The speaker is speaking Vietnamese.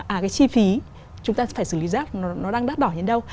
à cái chi phí chúng ta phải xử lý rác nó đang đắt đỏ như thế đâu